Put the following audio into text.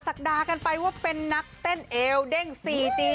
ศักดากันไปว่าเป็นนักเต้นเอวเด้งสี่จี